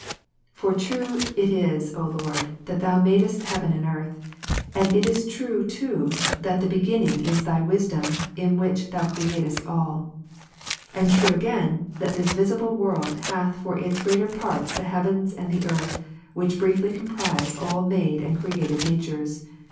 For true it is, O Lord, that Thou madest heaven and earth ; and it is true too, that the Beginning is Thy Wisdom, in Which Thou createdst all . and true again, Ps. 104, that this visible world hath for its greater parts the heaven ^^' and the earth, which briefly comprise all made and created natures.